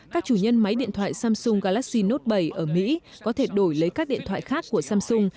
các chủ nhân máy điện thoại samsung galaxy note bảy ở mỹ có thể đổi lấy các điện thoại khác của samsung